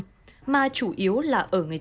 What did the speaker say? cũng tập tập video clip của our hai